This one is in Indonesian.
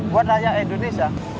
buat rakyat indonesia